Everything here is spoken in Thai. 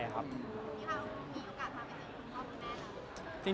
พี่เฮามีโอกาสมาเวลาให้คุณพ่อพี่แม่นะครับ